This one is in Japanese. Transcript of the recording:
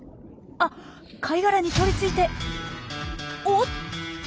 あ貝殻に取りついておっ。